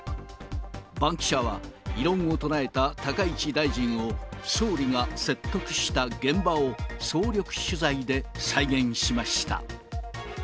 バンキシャ！は、異論を唱えた高市大臣を総理が説得した現場を総力取材で再現しました。